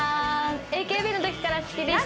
ＡＫＢの時から好きでした。